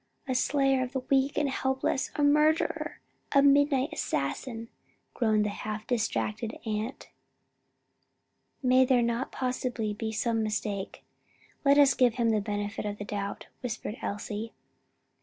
"A slayer of the weak and helpless a murderer a midnight assassin!" groaned the half distracted aunt. "May there not possibly be some mistake. Let us give him the benefit of the doubt," whispered Elsie.